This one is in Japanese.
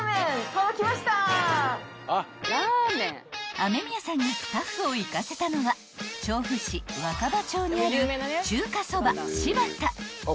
［雨宮さんがスタッフを行かせたのは調布市若葉町にある］